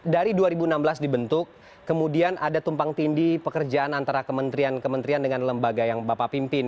dari dua ribu enam belas dibentuk kemudian ada tumpang tindi pekerjaan antara kementerian kementerian dengan lembaga yang bapak pimpin